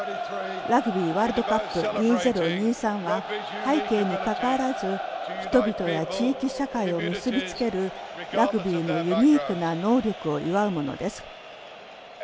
ラグビーワールドカップ２０２３は背景にかかわらず人々や地域社会を結びつけるラグビーのユニークな能力を祝うものです。